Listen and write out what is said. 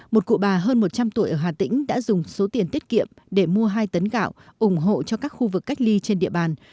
một cụ bà hơn một trăm linh tuổi ở hà tĩnh đã dùng số tiền tiết kiệm để mua hai tấn gạo ủng hộ cho các khu vực cách ly trên địa bàn